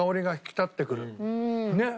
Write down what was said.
ねっ！